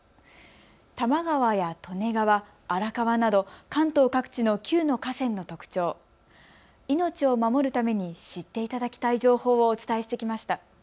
多摩川や利根川、荒川など関東各地の９の河川の特徴、命を守るために知っていただきたい情報をお伝えしてきました。